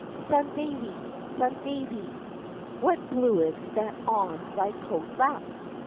Son Davie! Son Davie! What bluid's that on thy coat lap?